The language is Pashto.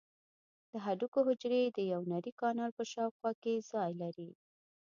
د هډوکو حجرې د یو نري کانال په شاوخوا کې ځای لري.